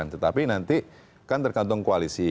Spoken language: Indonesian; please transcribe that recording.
tetapi nanti kan tergantung koalisi